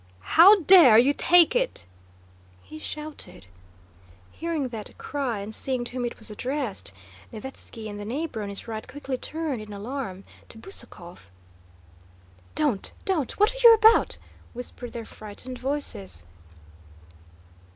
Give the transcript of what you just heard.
"How dare you take it?" he shouted. Hearing that cry and seeing to whom it was addressed, Nesvítski and the neighbor on his right quickly turned in alarm to Bezúkhov. "Don't! Don't! What are you about?" whispered their frightened voices.